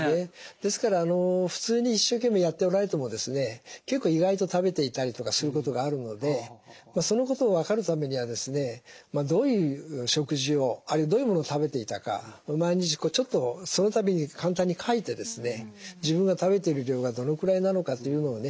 ですから普通に一生懸命やっておられてもですね結構意外と食べていたりとかすることがあるのでそのことを分かるためにはですねどういう食事をあるいはどういうものを食べていたか毎日ちょっとその度に簡単に書いて自分が食べてる量がどのくらいなのかというのをね